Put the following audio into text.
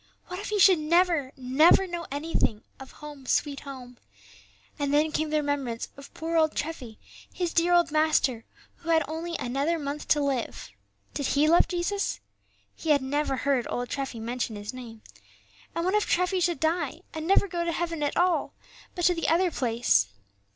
What if he should never, never know anything of "Home, sweet Home"? And then came the remembrance of poor old Treffy, his dear old master, who had only another month to live. Did he love Jesus? He had never heard old Treffy mention His name; and what if Treffy should die, and never go to heaven at all, but go to the other place!